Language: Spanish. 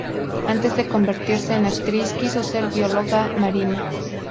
Antes de convertirse en actriz, quiso ser bióloga marina.